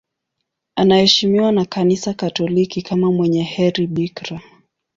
Anaheshimiwa na Kanisa Katoliki kama mwenye heri bikira.